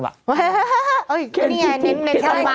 เฮ่ยเนี่ยเน้นชั้นไหม